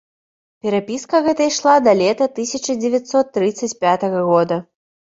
Перапіска гэта ішла да лета тысяча дзевяцьсот трыццаць пятага года.